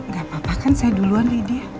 gak apa apa kan saya duluan lidia